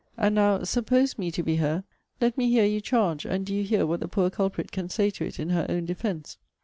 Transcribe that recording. And now, suppose me to be her, let me hear you charge, and do you hear what the poor culprit can say to it in her own defence.